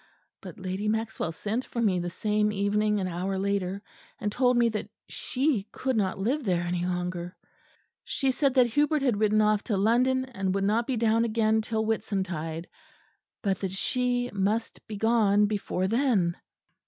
But Lady Maxwell sent for me the same evening an hour later; and told me that she could not live there any longer. She said that Hubert had ridden off to London; and would not be down again till Whitsuntide; but that she must be gone before then.